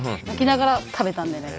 泣きながら食べた。